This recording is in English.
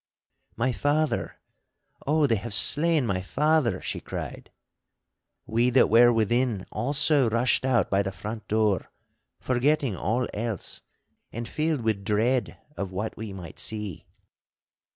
'My father—oh, they have slain my father!' she cried. We that were within also rushed out by the front door, forgetting all else, and filled with dread of what we might see.